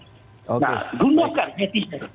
nah gunakan netizen